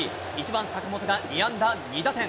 １番坂本が２安打２打点。